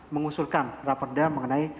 mengusulkan raporda mengenai